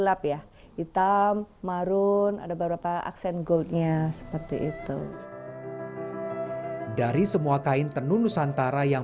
lap ya hitam marun ada beberapa aksen goldnya seperti itu dari semua kain tenun nusantara yang